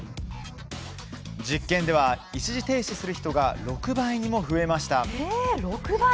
実験では、一時停止する人が６倍にも増えました。